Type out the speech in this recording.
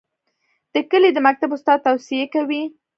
د کلي د مکتب استاد توصیې کوي.